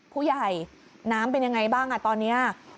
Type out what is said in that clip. ผู้ใหญ่น้ำเป็นยังไงบ้างตอนนี้